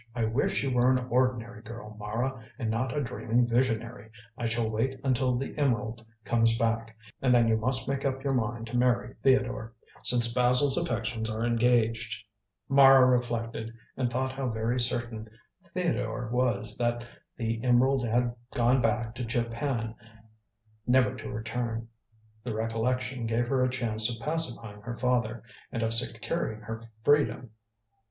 I wish you were an ordinary girl, Mara, and not a dreaming visionary. I shall wait until the emerald comes back, and then you must make up your mind to marry Theodore, since Basil's affections are engaged." Mara reflected and thought how very certain Theodore was that the emerald had gone back to Japan never to return. The recollection gave her a chance of pacifying her father, and of securing her freedom.